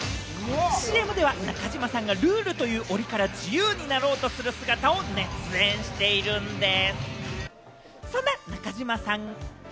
ＣＭでは、中島さんがルールという檻から自由になろうとする姿を熱演しているんです。